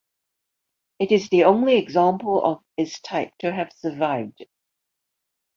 It is the only example of its type to have survived.